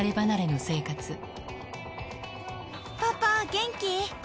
パパ、元気？